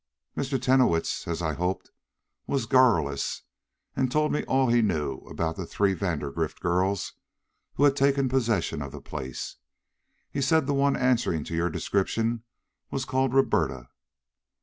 "Mr. Tenowitz, as I hoped, was garrulous and told me all he knew about the three Vandergrift girls who had taken possession of the place. He said the one answering to your description was called Roberta.